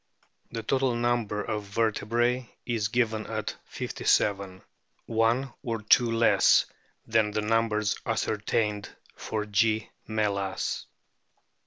The total number of vertebrae is given at 57, one or two less than the numbers ascertained for G. me las.